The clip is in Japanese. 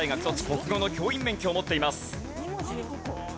国語の教員免許を持っています。